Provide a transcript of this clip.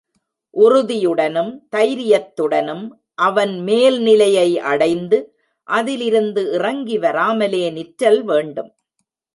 உறுதியுடனும் தைரியத்துடனும் அவன் மேல் நிலையை அடைந்து அதிலிருந்து இறங்கி வராமலே நிற்றல் வேண்டும்.